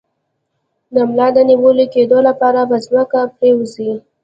د ملا د نیول کیدو لپاره په ځمکه پریوځئ